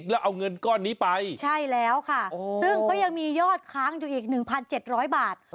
แล้วเอาเงินก้อนนี้ไปใช่แล้วค่ะซึ่งก็ยังมียอดค้างอยู่อีก๑๗๐๐บาท